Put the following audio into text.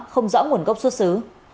không rõ nguồn gốc xuất xứ